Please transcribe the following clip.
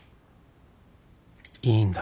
いいんだ